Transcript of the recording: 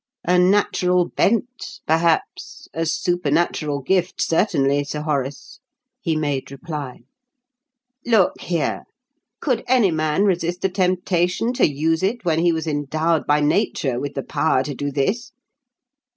"A natural bent, perhaps; a supernatural gift, certainly, Sir Horace," he made reply. "Look here! Could any man resist the temptation to use it when he was endowed by Nature with the power to do this?"